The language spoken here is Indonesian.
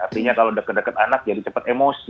artinya kalau sudah dekat dekat anak jadi cepat emosi